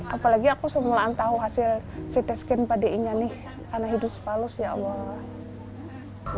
apalagi aku semula tahu hasil ct skin pada ininya nih karena hidup sepalus ya allah